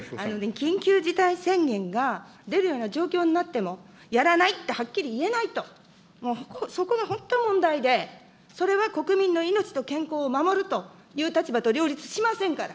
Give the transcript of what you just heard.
緊急事態宣言が出るような状況になっても、やらないってはっきり言えないと、そこが本当問題で、それは国民の命と健康を守るという立場と両立しませんから。